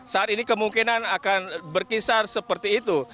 saat ini kemungkinan akan berkisar seperti itu